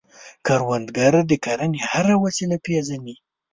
کروندګر د کرنې هره وسیله پېژني